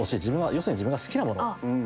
要するに自分が好きなもの。